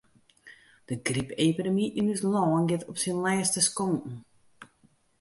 De grypepidemy yn ús lân giet op syn lêste skonken.